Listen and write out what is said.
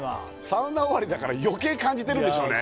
サウナ終わりだから余計感じてるでしょうね